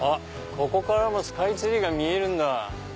ここからもスカイツリーが見えるんだ。